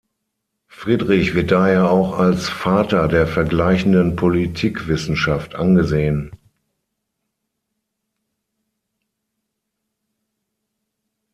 Friedrich wird daher auch als „Vater“ der Vergleichenden Politikwissenschaft angesehen.